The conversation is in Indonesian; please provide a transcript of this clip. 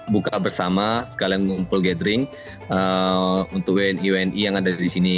buka bersama sekalian ngumpul gathering untuk wni wni yang ada di sini